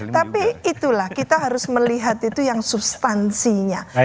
tapi itulah kita harus melihat itu yang substansinya